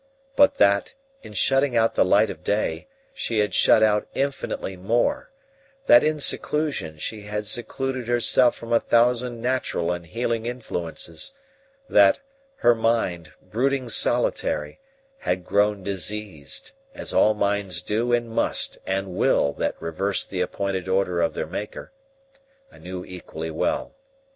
But that, in shutting out the light of day, she had shut out infinitely more; that, in seclusion, she had secluded herself from a thousand natural and healing influences; that, her mind, brooding solitary, had grown diseased, as all minds do and must and will that reverse the appointed order of their Maker, I knew equally well.